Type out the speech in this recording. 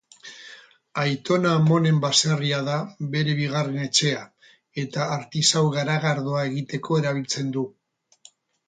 Aitona-amonen baserria da bere bigarren etxea, eta artisau-garagardoa egiteko erabiltzen du.